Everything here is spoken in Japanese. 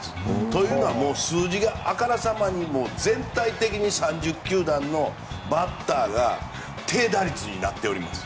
というのは数字があからさまに全体的に３０球団のバッターが低打率になっております。